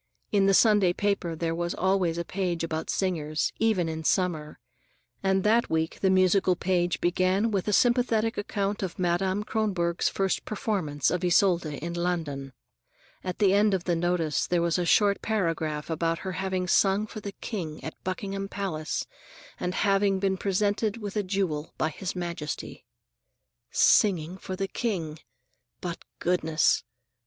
In the Sunday paper there was always a page about singers, even in summer, and that week the musical page began with a sympathetic account of Madame Kronborg's first performance of Isolde in London. At the end of the notice, there was a short paragraph about her having sung for the King at Buckingham Palace and having been presented with a jewel by His Majesty. Singing for the King; but Goodness!